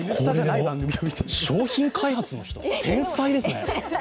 商品開発の人、天才ですね。